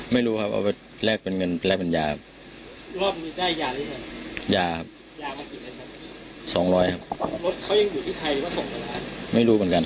ไม่รู้ครับนี่พิและเป็นเงินไปและเป็นยา